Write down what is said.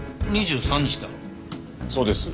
そうです。